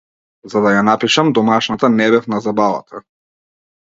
За да ја напишам домашната не бев на забавата.